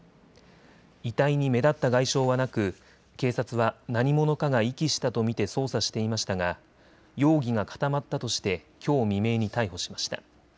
遺体に目立った外傷はなく警察は何者かが遺棄したと見て捜査していましたが容疑が固まったとしてきょう未明に逮捕しました。